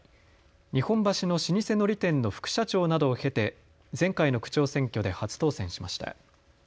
日本橋の老舗のり店の副社長などを経て前回の区長選挙で初当選しました。